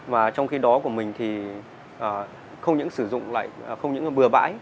và trong khi đó của mình thì không những sử dụng lại không những bừa bãi